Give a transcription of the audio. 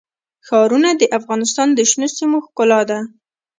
ښارونه د افغانستان د شنو سیمو ښکلا ده.